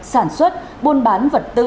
sản xuất buôn bán vật chất lượng